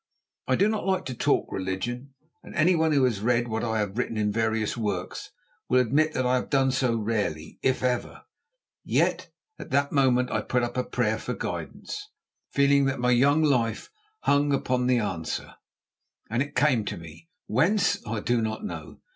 I do not like to talk religion, and anyone who has read what I have written in various works will admit that I have done so rarely, if ever. Yet at that moment I put up a prayer for guidance, feeling that my young life hung upon the answer, and it came to me—whence I do not know.